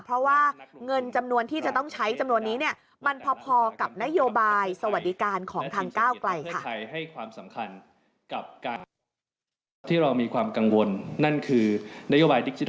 เพราะว่าเงินจำนวนที่จะต้องใช้จำนวนนี้เนี่ย